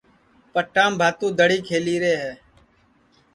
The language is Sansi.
پٹام بھاتُو دؔڑی کھیلی رے ہے